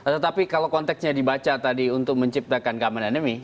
tetapi kalau konteksnya dibaca tadi untuk menciptakan common enemy